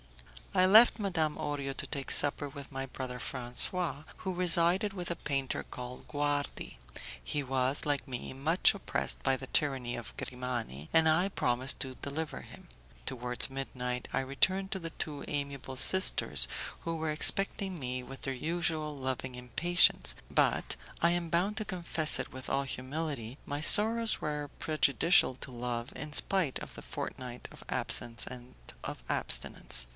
I left Madame Orio to take supper with my brother Francois, who resided with a painter called Guardi; he was, like me, much oppressed by the tyranny of Grimani, and I promised to deliver him. Towards midnight I returned to the two amiable sisters who were expecting me with their usual loving impatience, but, I am bound to confess it with all humility, my sorrows were prejudicial to love in spite of the fortnight of absence and of abstinence.